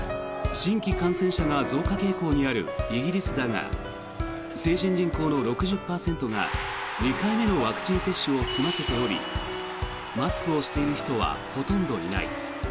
新規感染者が増加傾向にあるイギリスだが成人人口の６０％が２回目のワクチン接種を済ませておりマスクをしている人はほとんどいない。